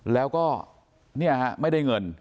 แล้วก็เนี่ยฮะไม่ได้เงิน